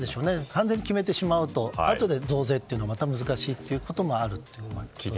完全に決めてしまうとあとで増税というのはまた難しいということもあるから